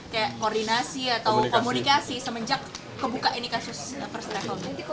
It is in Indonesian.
kayak koordinasi atau komunikasi semenjak kebuka ini kasus first travel